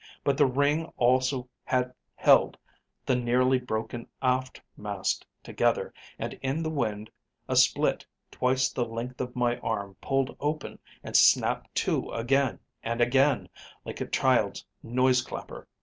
But the ring also had held the nearly broken aft mast together, and in the wind, a split twice the length of my arm pulled open and snapped to again and again like a child's noise clapper.